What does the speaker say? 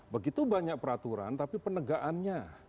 begitu banyak peraturan tapi penegaannya